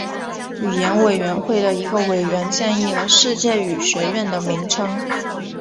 语言委员会的一个委员建议了世界语学院的名称。